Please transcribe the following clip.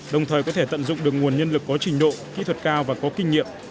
đồng thời có thể tận dụng được nguồn nhân lực có trình độ kỹ thuật cao và có kinh nghiệm